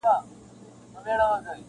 فاصله مو ده له مځکي تر تر اسمانه-